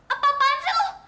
apa apaan sih lu